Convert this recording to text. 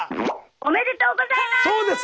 おめでとうございます！